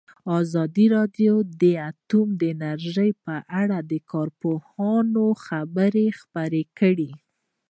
ازادي راډیو د اټومي انرژي په اړه د کارپوهانو خبرې خپرې کړي.